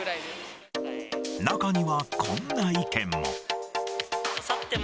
中には、こんな意見も。